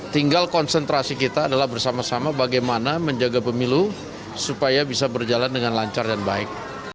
tinggal konsentrasi kita adalah bersama sama bagaimana menjaga pemilu supaya bisa berjalan dengan lancar dan baik